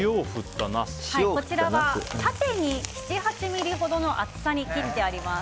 こちらは縦に７８ミリほどの厚さに切ってあります。